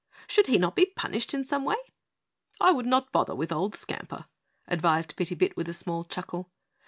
"Should he not be punished in some way?" "I would not bother with old Skamper," advised Bitty Bit with a small chuckle.